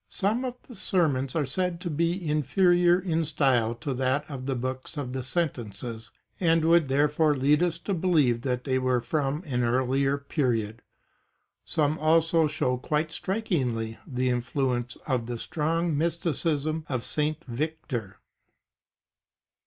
Some of his sermons are said to be inferior in style to that of the Books of Sentences and would therefore lead us to believe that they were from an earlier period. Some also show quite strikingly the influ ence of the strong mysticism of St. Victor.